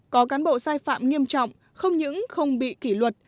có cán bộ sai phạm nghiêm trọng không những không bị kỷ luật